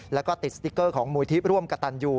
แล้วก็ติดสติ๊กเกอร์ของมูลที่ร่วมกระตันยู